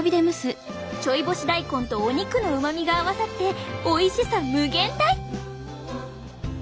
ちょい干し大根とお肉のうまみが合わさっておいしさ無限大！